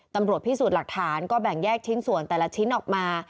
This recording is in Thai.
ตำรวจพิสูจน์หลักฐานก็แบ่งแยกชิ้นส่วนแต่ละชิ้นออกมา